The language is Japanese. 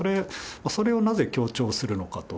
それをなぜ強調するのかと。